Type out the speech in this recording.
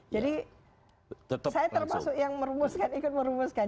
jadi saya termasuk yang ikut merumuskan